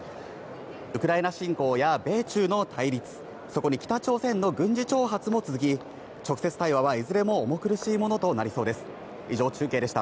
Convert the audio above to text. ウクライナ侵攻や米中の対立、そこに北朝鮮の軍事挑発も続き、直接対話はいずれも重苦しいものとなりそうです。